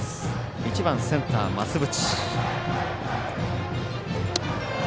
１番センター増渕。